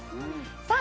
さあ